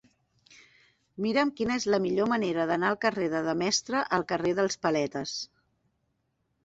Mira'm quina és la millor manera d'anar del carrer de Demestre al carrer dels Paletes.